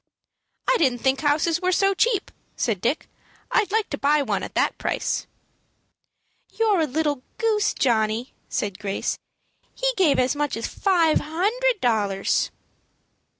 "I didn't think houses were so cheap," said Dick. "I'd like to buy one at that price." "You're a little goose, Johnny," said Grace. "He gave as much as five hundred dollars."